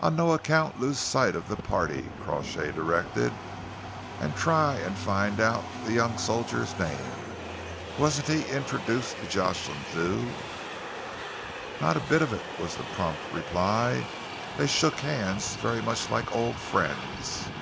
"On no account lose sight of the party," Crawshay directed, "and try and find out the young soldier's name. Wasn't he introduced to Jocelyn Thew?" "Not a bit of it," was the prompt reply. "They shook hands very much like old friends."